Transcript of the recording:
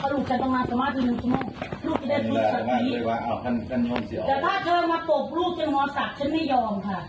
รู้จัยได้รู้สึกสัตว์นี้แต่ถ้าเธอมาตบรู้จังหวานศาตร์ฉันไม่ยอมค่ะ